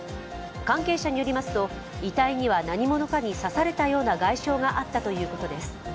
関係者によりますと、遺体には何者かに刺された外傷があったということです。